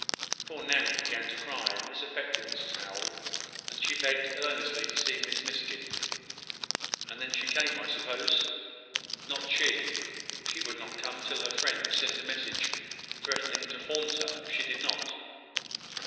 Poor Nanny began to cry; and this affected Mrs Howell; and she begged earnestly to see Miss Miskin." "And then she came, I suppose." "Not she! She would not come till her friend sent a message threatening to haunt her if she did not."